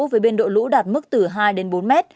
với biên độ lũ đạt mức từ hai đến bốn mét